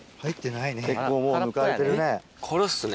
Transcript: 結構もうむかれてるね。